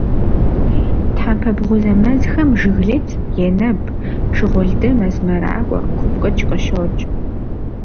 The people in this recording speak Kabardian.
Тхьэмпэ бгъузэ мэзхэм жыглыц, енэб, шыгъулды, мэз мэракӀуэ, купкъыкӀ къыщокӀ.